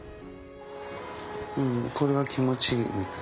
うんこれは気持ちいいみたい。